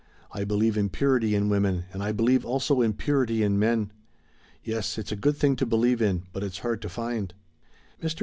I believe in purity in women, and I believe also in purity in men." "Yes, it's a good thing to believe in, but it's hard to find." Mr.